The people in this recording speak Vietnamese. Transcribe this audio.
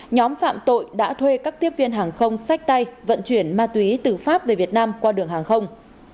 nhóm phạm tội đã thuê các tiếp viên hàng không sách tay vận chuyển ma túy từ pháp về việt nam qua đường hàng không